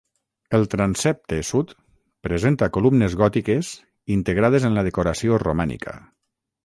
El transsepte sud presenta columnes gòtiques integrades en la decoració romànica.